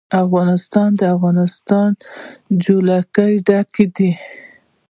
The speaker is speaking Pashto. افغانستان له د افغانستان جلکو ډک دی.